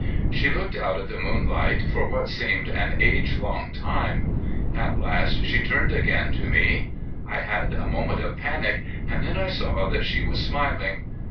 She looked out at the moonlight for what seemed an age long time. At last she turned again to me. I had a moment of panic, and then I saw that she was smiling.